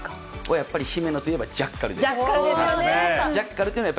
やっぱり姫野といえばジャッジャッカルですよね。